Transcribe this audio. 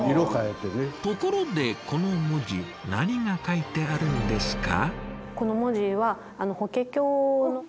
ところでこの文字何が書いてあるんですか？